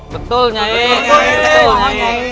betul nyai betul nyai